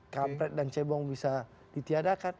kampret dan cebong bisa ditiadakan